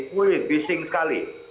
wuih bising sekali